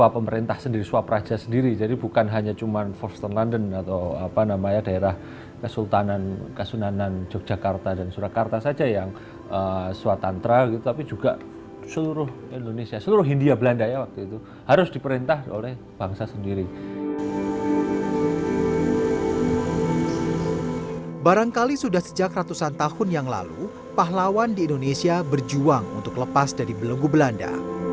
ketika memimpin sarekat islam banyak sekali ide ide berpikir oh ini adalah kemerdekaan yang terjadi